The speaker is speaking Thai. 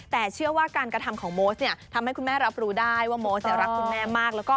แต่เชื่อว่าการกระทำของโมสเนี่ยทำให้คุณแม่รับรู้ได้ว่าโมสรักคุณแม่มาก